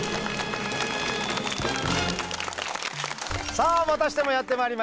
さあまたしてもやってまいりました。